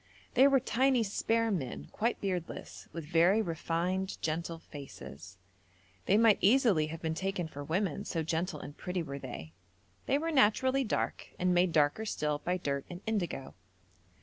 They were tiny spare men, quite beardless, with very refined, gentle faces; they might easily have been taken for women, so gentle and pretty were they. They were naturally dark, and made darker still by dirt and indigo.